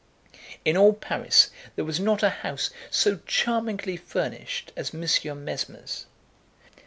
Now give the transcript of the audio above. In all Paris, there was not a house so charmingly furnished as Monsieur Mesmer's.